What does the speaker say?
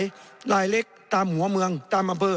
เหมาะหลายเล็กตามหัวเมืองตามบำเภอ